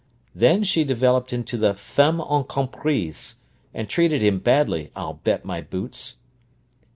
Then she developed into the femme incomprise, and treated him badly, I'll bet my boots."